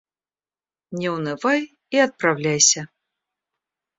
Не унывай и отправляйся».